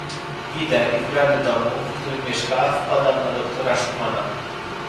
"Idę, i w bramie domu, w którym mieszka, wpadam na doktora Szumana."